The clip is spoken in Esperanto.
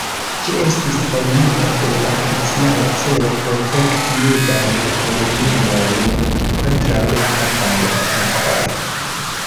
Ĝi estis formita kun la oficiala celo protekti judajn komunumojn kontraŭ arabaj atakoj.